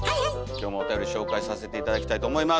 今日もおたより紹介させて頂きたいと思います。